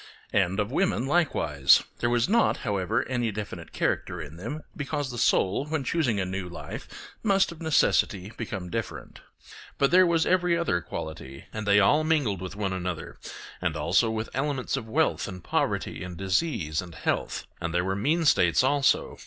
And of women likewise; there was not, however, any definite character in them, because the soul, when choosing a new life, must of necessity become different. But there was every other quality, and the all mingled with one another, and also with elements of wealth and poverty, and disease and health; and there were mean states also.